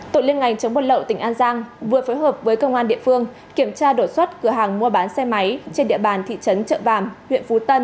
tổ liên ngành chống buôn lậu tỉnh an giang vừa phối hợp với công an địa phương kiểm tra đột xuất cửa hàng mua bán xe máy trên địa bàn thị trấn trợ vàm huyện phú tân